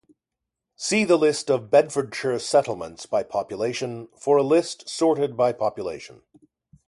See the List of Bedfordshire settlements by population for a list sorted by population.